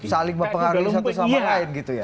saling mempengaruhi satu sama lain gitu ya